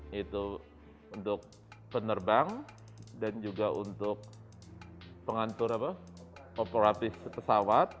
yaitu untuk penerbang dan juga untuk pengatur operatif pesawat